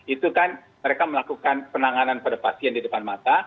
itu kan mereka melakukan penanganan pada pasien di depan mata